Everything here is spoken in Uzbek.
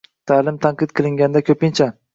Ta’lim tanqid qilinganda ko‘pincha